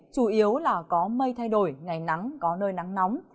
chủ yếu là có mây thay đổi ngày nắng có nơi nắng nóng